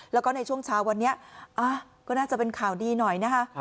แล้วก็ในช่วงเช้าวันนี้ก็น่าจะเป็นข่าวดีหน่อยนะคะ